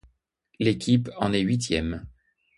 L'équipe en est huitième.